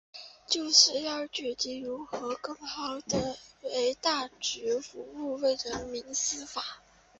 就是要聚焦如何更好地为大局服务、为人民司法